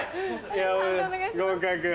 合格。